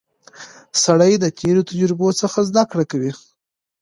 سړی د تېرو تجربو څخه زده کړه کوي